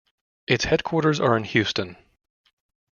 Its headquarters are in Houston.